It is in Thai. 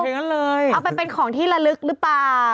เอาไปเป็นของที่ละลึกหรือเปล่า